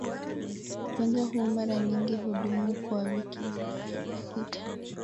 Ugonjwa huu mara nyingi hudumu kwa wiki nne hadi sita